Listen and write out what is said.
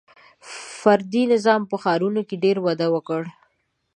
• فردي نظام په ښارونو کې ډېر وده وکړه.